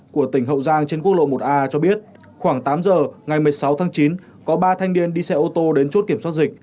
của tỉnh hậu giang trên quốc lộ một a cho biết khoảng tám giờ ngày một mươi sáu tháng chín có ba thanh niên đi xe ô tô đến chốt kiểm soát dịch